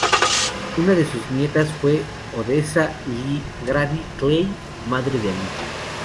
Una de sus nietas fue Odessa Lee Grady Clay, madre de Ali.